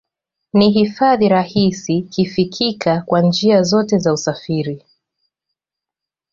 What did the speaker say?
Ni hifadhi rahisi kifikika kwa njia zote za usafiri